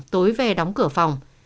tối về đóng cửa phòng